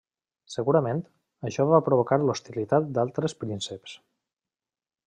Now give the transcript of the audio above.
Segurament, això va provocar l'hostilitat d'altres prínceps.